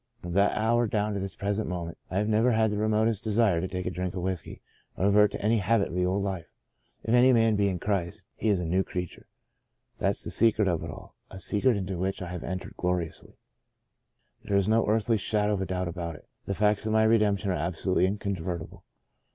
From that hour down to this present moment, I have never had the remotest desire to take a drink of whiskey, or revert to any habit of the old life. ' If any man be in Christ, he is a new creature.' That's the De Profundis 51 secret of it all — a secret into which I have entered gloriously. There is no earthly shadow of a doubt about it — the facts of my redemption are absolutely incontrovertible.